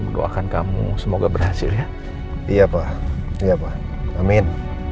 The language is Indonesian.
doakan kamu semoga berhasil ya iya pak iya pak amin